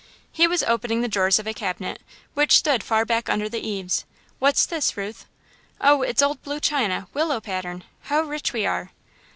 He was opening the drawers of a cabinet, which stood far back under the eaves. "What's this, Ruth?" "Oh, it's old blue china willow pattern! How rich we are!"